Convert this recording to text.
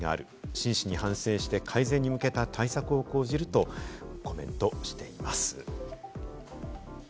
真摯に反省して改善に向けた対策を講じるとコメントしています。